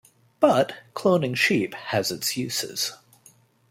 But cloning sheep has its uses.